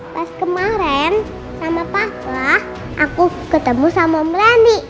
pas kemarin sama papa aku ketemu sama om randy